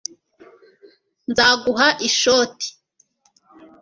nzaguha ishoti